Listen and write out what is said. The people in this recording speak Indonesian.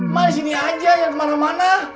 ma disini aja jangan kemana mana